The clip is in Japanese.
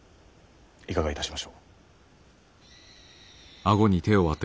いかがいたしましょう？